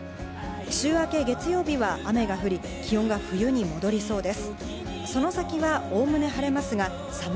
週明け月曜日は雨が降り、気温が冬に戻りそうです。